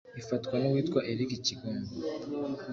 ifatwa n’uwitwa Eric Kigongo